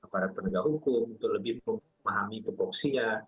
aparat pendengar hukum untuk lebih memahami provoksinya